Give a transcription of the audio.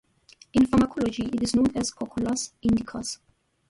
In pharmacology, it is known as Cocculus Indicus.